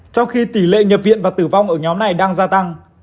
trong khi tỷ lệ nhập viện và tử vong ở nhóm này đang gia tăng